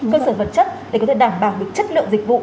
cơ sở vật chất để có thể đảm bảo được chất lượng dịch vụ